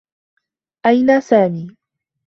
أين سامي؟